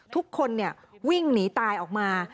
ทุกคนวิ่งหนีตายออกมา